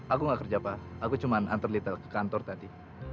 aku gak kerja pak aku cuma antar little ke kantor tadi